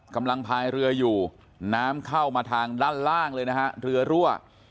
พายเรืออยู่น้ำเข้ามาทางด้านล่างเลยนะฮะเรือรั่ว